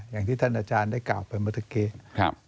อย่างที่ท่านอาจารย์ได้กล่าวไปเมื่อกี้